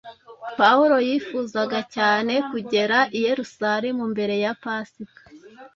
Pawulo yifuzaga cyane kugera i Yerusalemu mbere ya Pasika